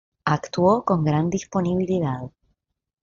Actuó con gran disponibilidad.